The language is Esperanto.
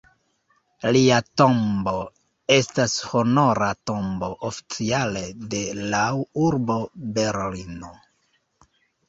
Lia tombo estas honora tombo oficiale de lau urbo Berlino.